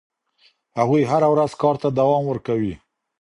هغوی هره ورځ کار ته دوام ورکوي.